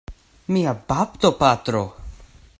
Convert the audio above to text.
Mia baptopatro!